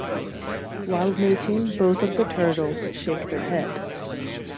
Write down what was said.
While mating both of the turtles shake their head.